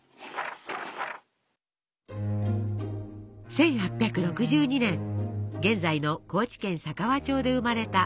１８６２年現在の高知県佐川町で生まれた牧野富太郎。